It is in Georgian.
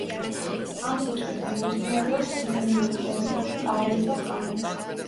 ამ სიტყვიდან მომდინარეობს სინონიმური ტერმინები „ყაენი“ და „ხანი“.